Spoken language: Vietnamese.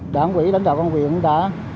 đảng ủy lãnh đạo công viên đã